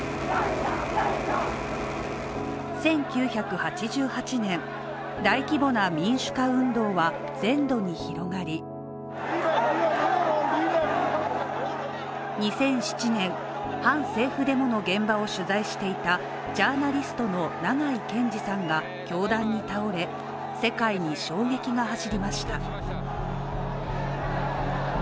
１９８８年、大規模な民主化運動は全土に広がり２００７年、反政府デモの現場を取材していたジャーナリストの長井健司さんが凶弾に倒れ、世界に衝撃が走りました。